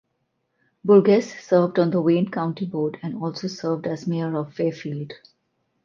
Burgess served on the Wayne County Board and also served as mayor of Fairfield.